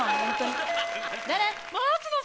誰？